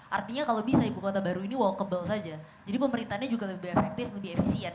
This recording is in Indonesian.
artinya kalau bisa ibu kota baru ini walkable saja jadi pemerintahnya juga lebih efektif lebih efisien